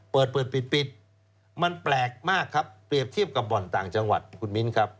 เปิดเปิดปิดมันแปลกมากครับเปรียบเทียบกับบ่อนต่างจังหวัดคุณมิ้นครับ